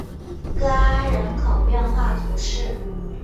戈阿人口变化图示